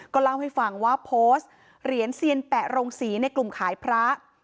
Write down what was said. เล่าให้ฟังว่าโพสต์เหรียญเซียนแปะโรงศรีในกลุ่มขายพระ